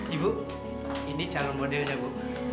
ibu ini calon modelnya bu